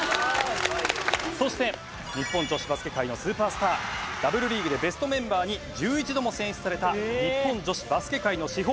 そして日本女子バスケ界のスーパースターＷリーグでベストメンバーに１１度も選出された日本女子バスケ界の至宝。